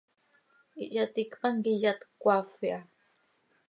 Ihyaticpan quih iyat cöcaafp iha.